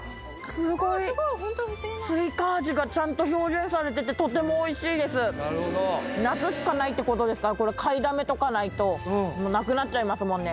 すごいホント不思議なスイカ味がちゃんと表現されててとてもおいしいです夏しかないってことですからこれ買いだめとかないともうなくなっちゃいますもんね